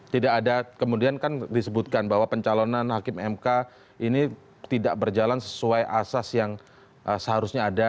tidak ada kemudian kan disebutkan bahwa pencalonan hakim mk ini tidak berjalan sesuai asas yang seharusnya ada